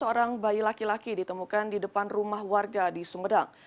seorang bayi laki laki ditemukan di depan rumah warga di sumedang